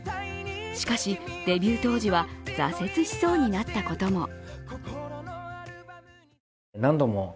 しかし、デビュー当時は挫折しそうになったことも。